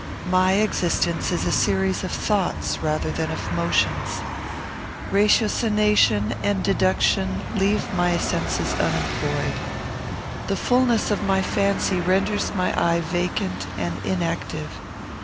My existence is a series of thoughts rather than of motions. Ratiocination and deduction leave my senses unemployed. The fulness of my fancy renders my eye vacant and inactive.